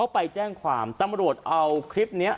ไปแจ้งความตำรวจเอาคลิปนี้